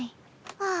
ああ！